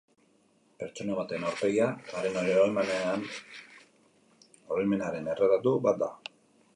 Pertsona baten aurpegia haren oroimenaren erretratu bat da.